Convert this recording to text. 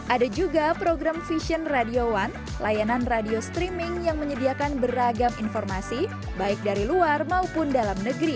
ada juga program vision radio one layanan radio streaming yang menyediakan beragam informasi baik dari luar maupun dalam negeri